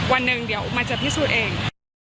วันหนึ่งเดี๋ยวมันจะพิสูจน์เอง